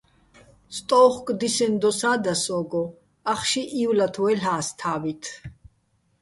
სტო́უხკო̆ დისენო̆ დოსა́ და სო́გო, ახში ივლათ ვაჲლ'ას თა́ბით.